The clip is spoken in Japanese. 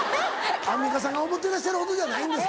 アンミカさんが思ってらっしゃるほどじゃないんですけど。